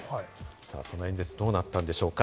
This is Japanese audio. その演説、どうなったんでしょうか？